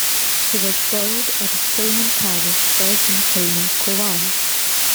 He was buried at Kilmun Parish Church in Kilmun, Cowal.